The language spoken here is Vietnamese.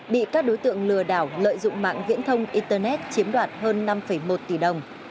bị các đối tượng lừa đảo lợi dụng mạng viễn thông internet chiếm đoạt hơn năm một tỷ đồng